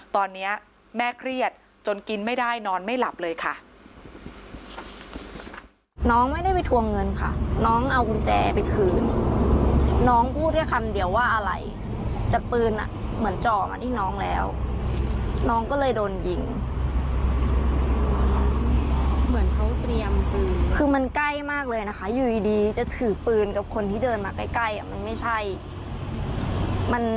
ตอนนี้แม่เครียดจนกินไม่ได้นอนไม่หลับเลยค่ะ